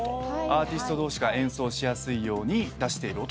アーティスト同士が演奏しやすいように出している音を聞かせる。